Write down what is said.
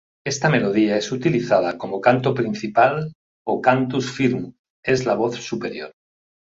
Esta melodía es utilizada como canto principal o "cantus firmus" en la voz superior.